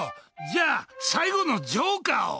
じゃあ、最後のジョーカーを。